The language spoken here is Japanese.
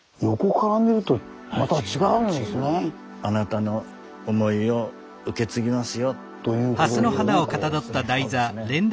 あなたの思いを受け継ぎますよ。ということですよねこう。